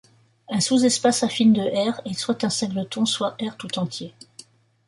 Un sous-espace affine de ℝ est soit un singleton, soit ℝ tout entier.